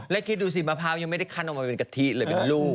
แล้วคิดดูสิมะพร้าวยังไม่ได้ขั้นออกมาเป็นกะทิเลยเป็นลูก